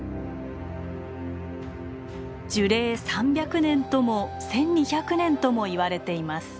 樹齢３００年とも１，２００年ともいわれています。